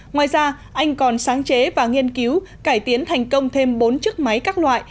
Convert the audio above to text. ngoài ra anh còn sáng chế và nghiên cứu cải tiến thành công thêm bốn chiếc máy các loại